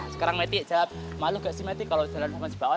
sekarang meti jawab malu nggak sih meti kalau jalan sama si baon